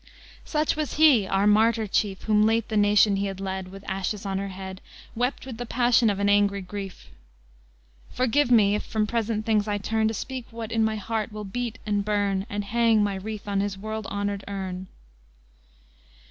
VI Such was he, our Martyr Chief, Whom late the Nation he had led, With ashes on her head, Wept with the passion of an angry grief: Forgive me, if from present things I turn To speak what in my heart will beat and burn, And hang my wreath on his world honored urn.